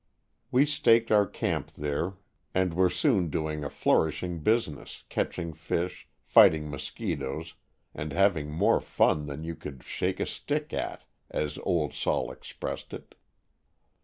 We staked our camp there and were soon doing a flour ishing business, catching fish, fighting mosquitoes and having more fun than you could "shake a stick at,'' as "Old Sol'' expressed it.